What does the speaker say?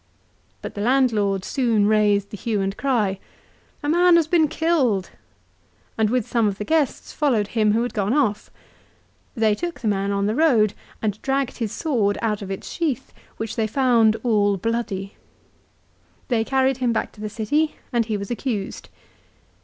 But the landlord soon raised the hue and cry. ' A man has been killed !' and with some of the guests followed him who had gone off. They took the man on the road, and dragged his sword out of its sheath which they found all bloody. They carried him back to the city, and he was accused."